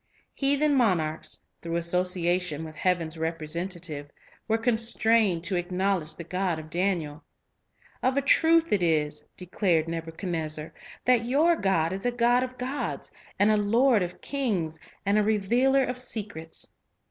Heathen monarchs, through association with Heaven's representative, were constrained to ac Heaven's knowledge the God of Daniel. "Of a truth it is," Amhassador , declared Nebuchadnezzar, "that your God is a God of gods, and a Lord of kings, and a revealer of secrets."